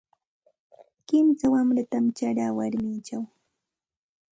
Kimsa wanratam charaa warmichaw.